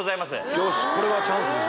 よしこれはチャンスでしょ